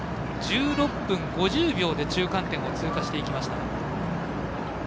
１６分５０秒で中間点を通過しました。